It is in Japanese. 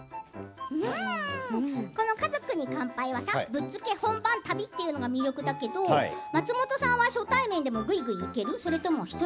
この「家族に乾杯」はぶっつけ本番旅というのが魅力だけど松本さんは初対面でもぐいぐいいける？